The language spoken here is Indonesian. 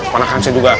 panahkan saya juga